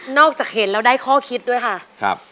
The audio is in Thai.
นอกจากเห็นเราได้ข้อคิดด้วยค่ะครับ